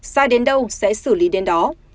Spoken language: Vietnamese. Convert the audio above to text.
sai đến đâu sẽ xử lý đến đó